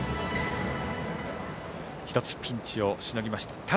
１つピンチをしのぎました。